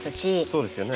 そうですよね。